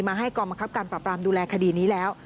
มาให้กรมคับการปราบปรามดูแลคดีนี้แล้ว